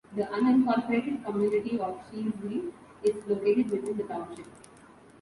The unincorporated community of Shieldsville is located within the township.